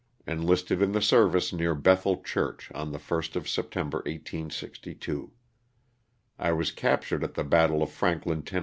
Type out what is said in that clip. Enlisted in the service near Bethel Church, on the 1st of September, 1862. I was captured at the battle of Franklin, Tenn.